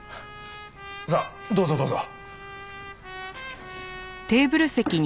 さあどうぞどうぞ。